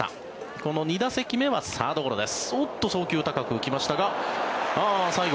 この２打席目はサードゴロです。